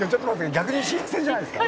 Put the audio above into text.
逆に新鮮じゃないですか？」